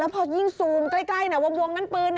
เลิกดูซิดอม